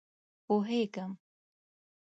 _پوهېږم.